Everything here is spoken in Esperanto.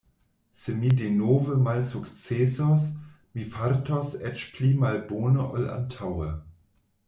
Se mi denove malsukcesos, mi fartos eĉ pli malbone ol antaŭe.